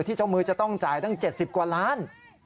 เจ้ามือจะต้องจ่ายตั้ง๗๐กว่าล้าน